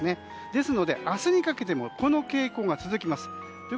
ですので、明日にかけてもこの傾向が続きます。